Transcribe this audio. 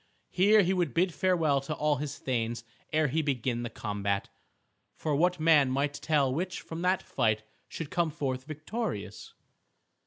Here he would bid farewell to all his thanes ere he began the combat. For what man might tell which from that fight should come forth victorious?